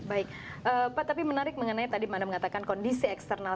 baik pak tapi menarik mengenai tadi anda mengatakan kondisi eksternal